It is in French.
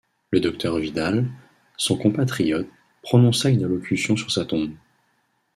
Le docteur Vidal, son compatriote, prononça une allocution sur sa tombe.